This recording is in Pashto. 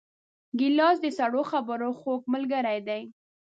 ګیلاس د سړو خبرو خوږ ملګری دی.